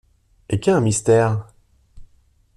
Et qu’est ung mystère?